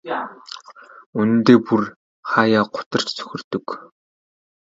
Үнэндээ хүн бүр хааяа гутарч цөхөрдөг.